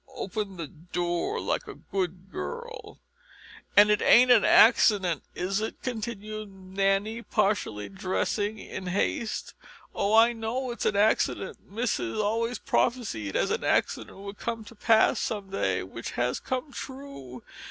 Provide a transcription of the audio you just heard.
Open the door like a good girl." "And it ain't an accident, is it?" continued Nanny partially dressing in haste. "Oh, I knows it's a accident, Missus always prophesied as a accident would come to pass some day, which has come true.